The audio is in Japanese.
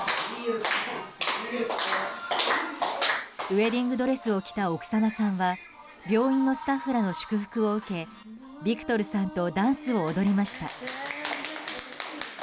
ウェディングドレスを着たオクサナさんは病院のスタッフらの祝福を受けビクトルさんとダンスを踊りました。